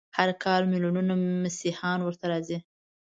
هر کال ملیونونه مسیحیان ورته راځي.